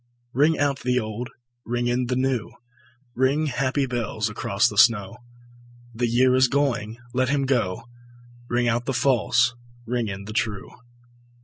Ring out the old, ring in the new, Ring, happy bells, across the snow: The year is going, let him go; Ring out the false, ring in the true.